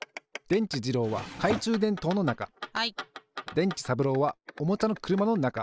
でんちさぶろうはおもちゃのくるまのなか。